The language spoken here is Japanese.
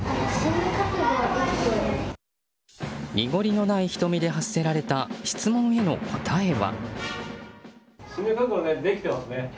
濁りのない瞳で発せられた質問への答えは。